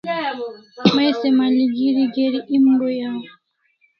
May se malgeri geri em goi aw